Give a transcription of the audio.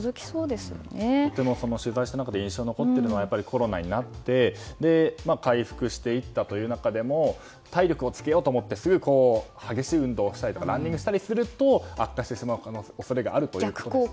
でも、取材した中で印象に残っているのはコロナになって回復していった中で体力をつけようと思ってすぐに激しい運動をしたりとかランニングしたりすると悪化する恐れがあると。